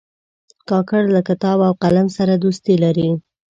کاکړ له کتاب او قلم سره دوستي لري.